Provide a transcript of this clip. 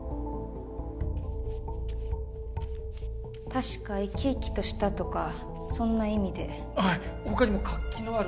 確か「生き生きとした」とかそんな意味ではい他にも「活気のある」